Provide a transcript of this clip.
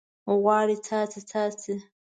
غواړي څاڅکي، څاڅکي